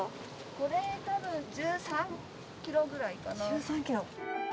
これ、たぶん１３キロぐらい１３キロ？